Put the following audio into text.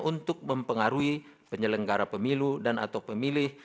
untuk mempengaruhi penyelenggara pemilu dan atau pemilih